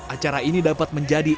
acara ini dapat menjadi